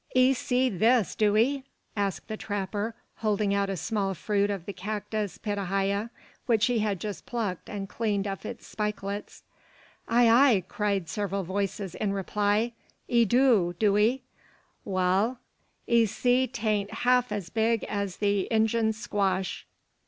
"'Ee see this, do 'ee?" asked the trapper, holding out a small fruit of the cactus pitahaya, which he had just plucked and cleaned of its spikelets. "Ay, ay," cried several voices, in reply. "'Ee do, do 'ee? Wal; 'ee see 'tain't half as big as the Injun's squash.